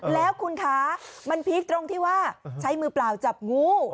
แล้วคุณคะมันพีคตรงที่ว่าใช้มือเปล่าจับงู